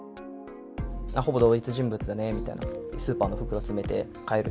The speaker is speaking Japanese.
ほぼ同一人物だねみたいな、スーパーの袋詰めて帰る。